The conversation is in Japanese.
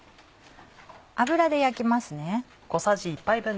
油で焼きますね。